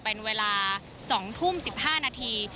เป็นเวลา๒ทุ่ม๑๕นาที